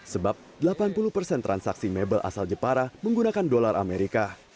sebab delapan puluh persen transaksi mebel asal jepara menggunakan dolar amerika